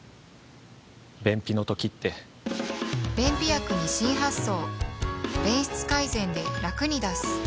便秘の時って便秘薬に新発想